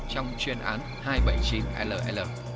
trong chuyên án hai trăm bảy mươi chín ll